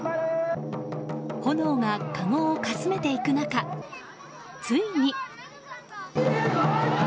炎がかごをかすめていく中ついに。